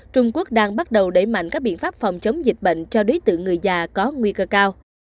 trung quốc đang bắt đầu đẩy mạnh các biện pháp phòng chống dịch bệnh cho đối tượng người già có nguy cơ cao